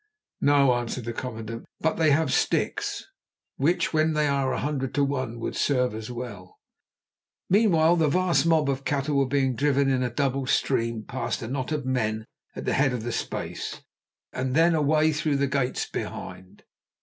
"No," answered the commandant, "but they have sticks, which when they are a hundred to one would serve as well." Meanwhile the vast mob of cattle were being driven in a double stream past a knot of men at the head of the space, and then away through gates behind.